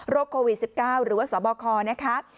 โรคโควิด๑๙หรือว่าสวบคอนะครับ